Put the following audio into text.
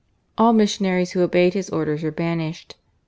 All missionaries who obeyed his orders were banished.